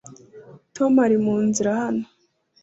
tom ari munzira hano